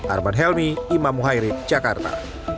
arman helmi imam muhairid jakarta